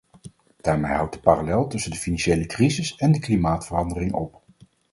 Daarmee houdt de parallel tussen de financiële crisis en de klimaatverandering op.